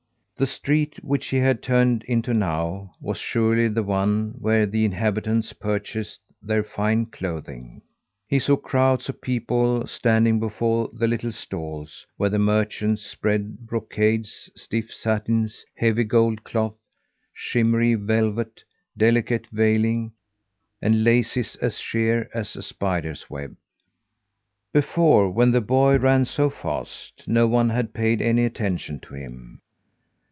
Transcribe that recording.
The street which he had turned into now was surely the one where the inhabitants purchased their fine clothing. He saw crowds of people standing before the little stalls where the merchants spread brocades, stiff satins, heavy gold cloth, shimmery velvet, delicate veiling, and laces as sheer as a spider's web. Before, when the boy ran so fast, no one had paid any attention to him.